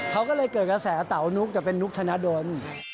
เขาก็เลยเกิดกระแสเตานุ๊กกับเป็นนุ๊กธนดล